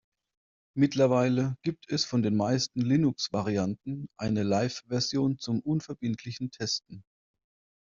Mittlerweile gibt es von den meisten Linux-Varianten eine Live-Version zum unverbindlichen Testen.